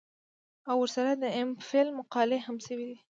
او ورسره د ايم فل مقالې هم شوې دي